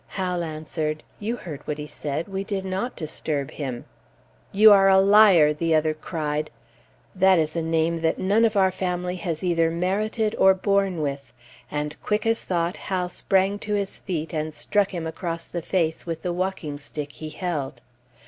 Hal answered, "You heard what he said. We did not disturb him." "You are a liar!" the other cried. That is a name that none of our family has either merited or borne with; and quick as thought Hal sprang to his feet and struck him across the face with the walking stick he held.